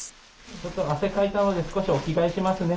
ちょっと汗かいたので少しお着替えしますね。